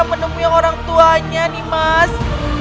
menemui orang tuanya nih mas